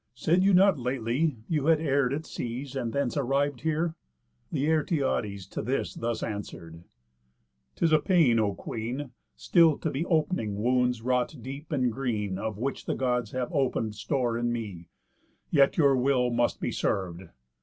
Said you not lately, you had err'd at seas, And thence arriv'd here?" Laertiades To this thus answer'd: "'Tis a pain, O Queen, Still to be op'ning wounds wrought deep, and green, Of which the Gods have open'd store in me; Yet your will must be serv'd.